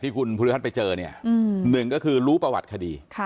ที่คุณผู้โดยทัศน์ไปเจอหนึ่งก็คือรู้ประวัติคดี